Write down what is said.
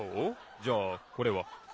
じゃあこれは？